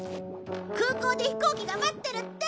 空港で飛行機が待ってるって。